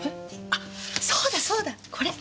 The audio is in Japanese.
あっそうだそうだこれ。